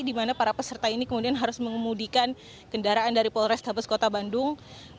dimana para peserta ini kemudian harus mengemudikan kendaraan dari polres tabes kota bandung